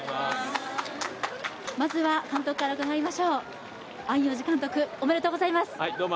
まずは監督から伺いましょう、安養寺監督、おめでとうございます。